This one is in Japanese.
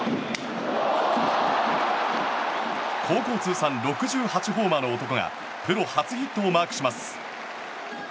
高校通算６８ホーマーの男がプロ初ヒットをマークします。